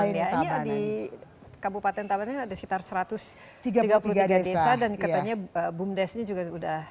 ini di kabupaten tabanan ada sekitar satu ratus tiga puluh tiga desa dan katanya bumdesnya juga sudah